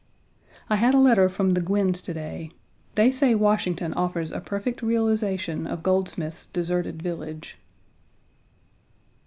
I had a letter from the Gwinns to day. They say Washington offers a perfect realization of Goldsmith's Deserted Village.